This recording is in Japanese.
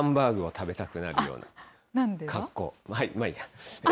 ハンバーグを食べたくなるような格好。